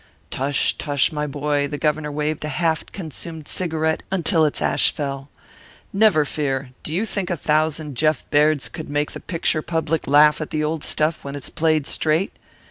"Tush, tush, my boy!" The Governor waved a half consumed cigarette until its ash fell. "Never fear. Do you think a thousand Jeff Bairds could make the picture public laugh at the old stuff when it's played straight?